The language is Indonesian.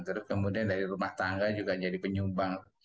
terus kemudian dari rumah tangga juga jadi penyumbang